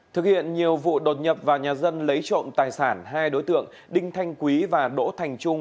thực hiện nhiều vụ đột nhập vào nhà dân lấy trộm tài sản hai đối tượng đinh thanh quý và đỗ thành trung